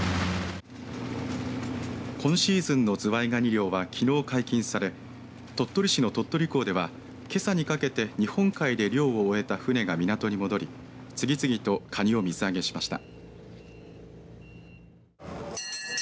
今シーズンのズワイガニ漁はきのう解禁され鳥取市の鳥取港ではけさにかけて日本海で漁を終えた船が港に戻り、次々とかにを水揚げしました。